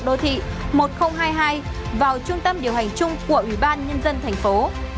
đô thị một nghìn hai mươi hai vào trung tâm điều hành chung của ủy ban nhân dân thành phố